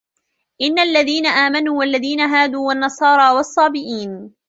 إِنَّ الَّذِينَ آمَنُوا وَالَّذِينَ هَادُوا وَالنَّصَارَىٰ وَالصَّابِئِينَ